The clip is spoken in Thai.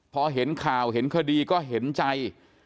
พอเห็นข่าวเห็นคดีก็เห็นใจ